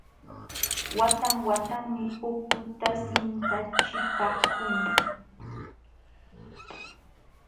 Watan watanmi pukuta sintachipaakun.